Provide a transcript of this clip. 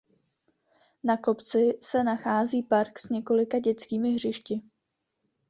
Na kopci se nachází park s několika dětskými hřišti.